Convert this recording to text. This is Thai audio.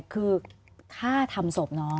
คือฆ่าทำศพน้อง